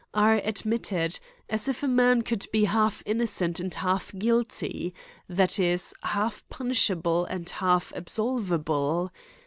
are admitted ; as if a man could be half innocent, and half guilty, that is, half punishable and half absolvable.